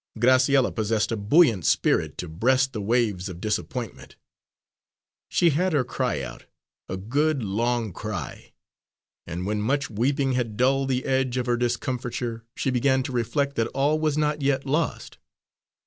Graciella possessed a buoyant spirit to breast the waves of disappointment. She had her cry out, a good, long cry; and when much weeping had dulled the edge of her discomfiture she began to reflect that all was not yet lost.